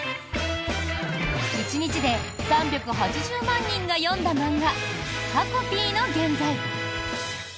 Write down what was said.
１日で３８０万人が読んだ漫画「タコピーの原罪」。